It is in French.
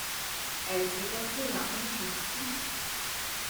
Elle s'est cassée la hanche au ski.